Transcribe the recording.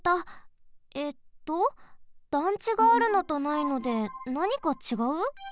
えっと団地があるのとないのでなにかちがう？